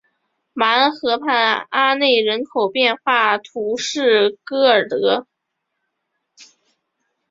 马恩河畔阿内人口变化图示戈尔德